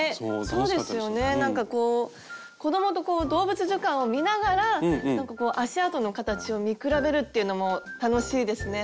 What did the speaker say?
そうですよねなんかこう子供と動物図鑑を見ながらなんかこう足あとの形を見比べるっていうのも楽しいですね。